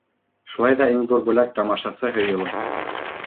Шулай ҙа иң ҙур бүләк — тамашасы һөйөүе.